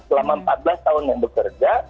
selama empat belas tahun yang bekerja